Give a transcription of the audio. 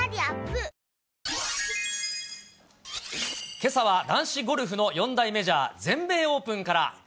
けさは男子ゴルフの４大メジャー全米オープンから。